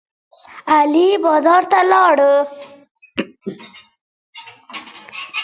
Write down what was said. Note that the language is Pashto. ازادي راډیو د کلتور پرمختګ او شاتګ پرتله کړی.